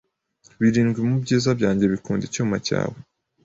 `Birindwi mu byiza byanjye bikunda icyuma cyawe